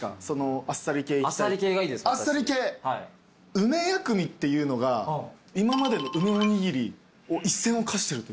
梅薬味っていうのが今までの梅おにぎりを一線を画してるというか。